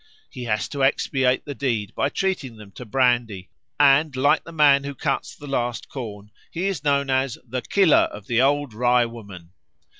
He has to expiate the deed by treating them to brandy; and, like the man who cuts the last corn, he is known as "the killer of the Old Rye woman."